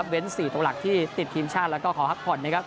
เว้น๔ตัวหลักที่ติดทีมชาติและขอฮักผ่อน